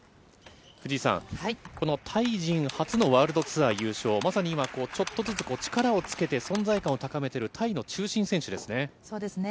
藤井さん、このタイ人初のワールドツアー優勝、まさに今、ちょっとずつ力をつけて、存在感を高めている、タイの中心選手ですね。